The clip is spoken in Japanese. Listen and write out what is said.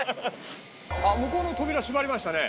あっ向こうの扉閉まりましたね。